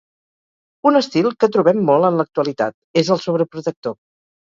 Un estil que trobem molt en l'actualitat, és el sobreprotector.